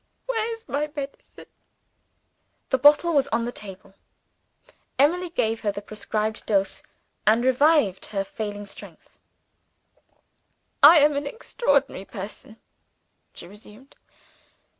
Where's my medicine?" The bottle was on the table. Emily gave her the prescribed dose, and revived her failing strength. "I am an extraordinary person," she resumed.